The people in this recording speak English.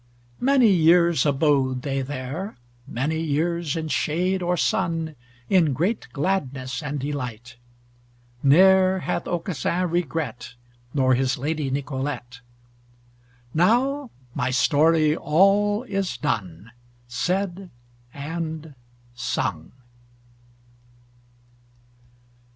Many years abode they there, Many years in shade or sun, In great gladness and delight Ne'er hath Aucassin regret Nor his lady Nicolete. Now my story all is done, Said and sung!